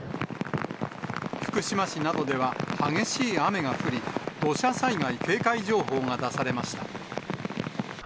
福島市などでは激しい雨が降り、土砂災害警戒情報が出されました。